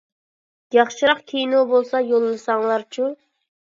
ياخشىراق كىنو بولسا يوللىساڭلارچۇ.